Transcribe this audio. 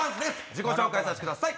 自己紹介させてください。